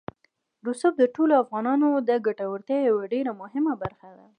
رسوب د ټولو افغانانو د ګټورتیا یوه ډېره مهمه برخه ده.